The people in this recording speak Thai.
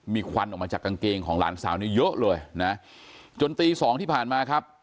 มีควันออกมาจากกางเกงของหลานสาวนี้เยอะเลยนะจนตีสองที่ผ่านมาครับ